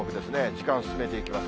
時間進めていきます。